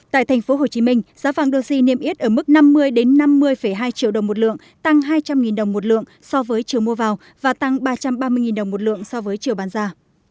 tại tp hcm giá vàng doji niêm yết ở mức năm mươi năm mươi hai triệu đồng một lượng tăng hai trăm linh đồng một lượng so với chiều mua vào và tăng ba trăm ba mươi đồng một lượng so với chiều bán ra